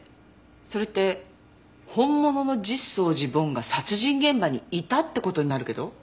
それって本物の実相寺梵が殺人現場にいたって事になるけど？